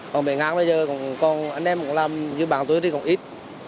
họ bể ngang bây giờ còn anh em cũng làm như bà tôi thì còn ít